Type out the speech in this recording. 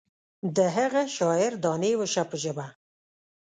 د هغه شاعر دانې وشه په ژبه.